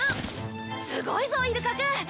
すごいぞイルカくん。